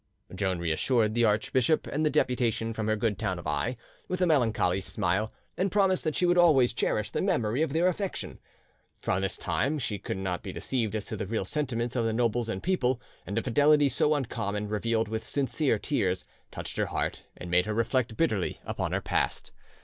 Joan reassured the archbishop and the deputation from her good town of Aix with a melancholy smile, and promised that she would always cherish the memory of their affection. For this time she could not be deceived as to the real sentiments of the nobles and people; and a fidelity so uncommon, revealed with sincere tears, touched her heart and made her reflect bitterly upon her past.